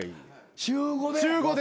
週５で。